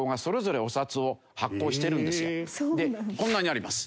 こんなにあります。